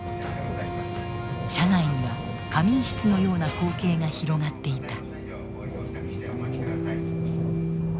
車内には仮眠室のような光景が広がっていた。